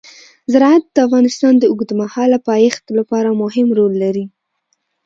زراعت د افغانستان د اوږدمهاله پایښت لپاره مهم رول لري.